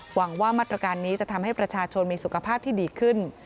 หวังว่ามาตรการนี้จะทำให้ประชาชนมีสุขภาพที่ดีขึ้น